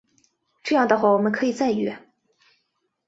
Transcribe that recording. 这样的话我们可以再约